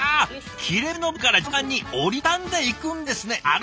切れ目の部分から順番に折り畳んでいくんですね。